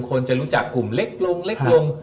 คนจะรู้จักกลุ่มเล็กลงเล็กลง